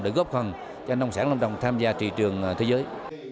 để góp phần cho nông sản lâm đồng tham gia trị trường thế giới